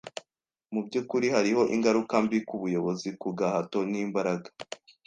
Mubyukuri hariho ingaruka mbi kubuyobozi ku gahato n'imbaraga.